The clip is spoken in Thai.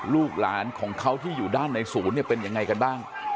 ลูกหลานของเขาที่อยู่ด้านในศูนย์เนี่ยเป็นยังไงกันบ้าง